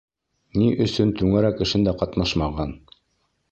Ни өсөн түңәрәк эшендә ҡатнашмаған?